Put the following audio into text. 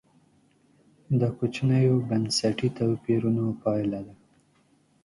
د کوچنیو بنسټي توپیرونو پایله ده.